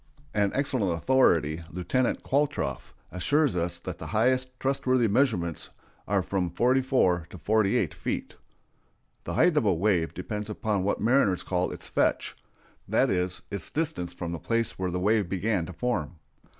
An excellent authority, Lieutenant Qualtrough, assures us that the highest trustworthy measurements are from forty four to forty eight feet. The height of a wave depends upon what mariners call its "fetch"—that is, its distance from the place where the waves began to form.